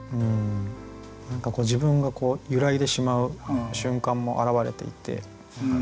何か自分が揺らいでしまう瞬間も表れていて。